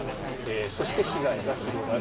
そして、被害が広がる。